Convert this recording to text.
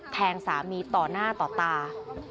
แทงสามีต่อหน้าต่อตา